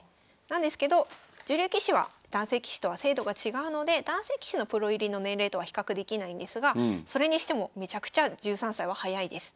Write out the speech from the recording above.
なんですけど女流棋士は男性棋士とは制度が違うので男性棋士のプロ入りの年齢とは比較できないんですがそれにしてもめちゃくちゃ１３歳は早いです。